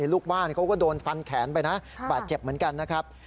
ลูกบ้านเขาก็โดนฟันแขนไปนะบาดเจ็บเหมือนกันนะครับ